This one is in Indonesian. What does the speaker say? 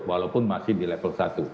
walaupun masih di level satu